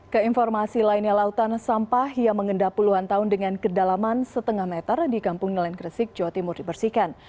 keinformasi lainnya lautan sampah yang mengendap puluhan tahun dengan kedalaman setengah meter di kampung nelayan gresik jawa timur dibersihkan